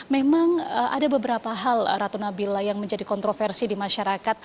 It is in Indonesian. memang ada beberapa hal ratu nabila yang menjadi kontroversi di masyarakat